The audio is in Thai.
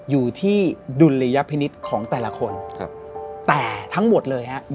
อยู่ที่ดุลยพินิษฐ์ของแต่ละคนแต่ทั้งหมดเลยฮะ